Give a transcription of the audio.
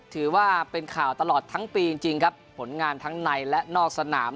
ถือว่าเป็นข่าวตลอดทั้งปีจริงครับผลงานทั้งในและนอกสนาม